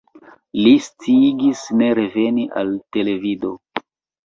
Li sciigis ne reveni al televido.